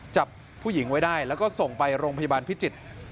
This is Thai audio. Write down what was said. จับผู้หญิงไว้ได้แล้วก็ส่งไปโรงพยาบาลพิจิตร